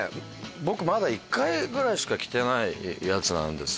僕まだ１回ぐらいしか着てないやつなんですけど。